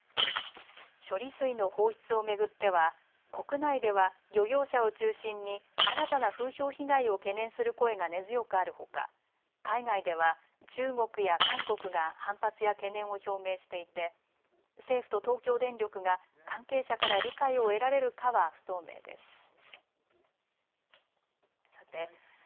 処理水の放出を巡っては国内では漁業者を中心に新たな風評被害を懸念する声が根強くあるほか、海外では中国や韓国が反発や懸念を表明していて政府と東京電力が関係者から理解を得られるかは不透明です。